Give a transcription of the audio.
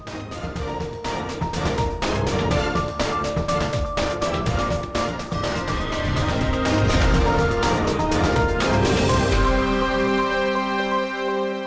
setelah berminggu minggu melakukan aksi protes